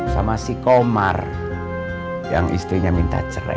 sama si komar yang istrinya minta cerai